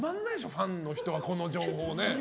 ファンの人たちはこの情報。